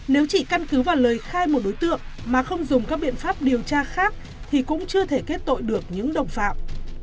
nếu chỉ căn cứ vào lời khai của đối tượng mà không dùng các biện pháp điều tra khác thì cũng chưa thể kết tội được những đồng phạm